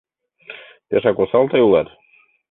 Пешак осал тый улат?..